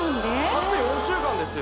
たった４週間ですよ